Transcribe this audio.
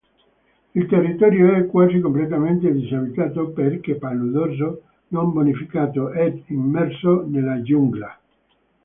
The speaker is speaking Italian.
Il territorio è quasi completamente disabitato, perché paludoso, non bonificato ed immerso nella giungla.